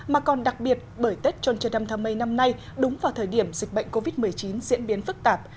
mà còn đặc biệt bởi tết trôn trần nam thờ mây năm nay đúng vào thời điểm dịch bệnh covid một mươi chín diễn biến phức tạp